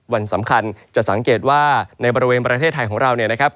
วันสำคัญจะสังเกตว่าในบริเวณประเทศไทยของเราเนี่ยนะครับ